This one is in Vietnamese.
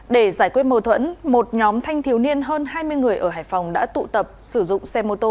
để giải quyết mâu thuẫn một nhóm thanh thiếu niên hơn hai mươi người ở hải phòng đã tụ tập sử dụng xe mô tô